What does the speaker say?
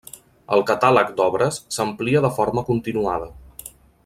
El catàleg d'obres s’amplia de forma continuada.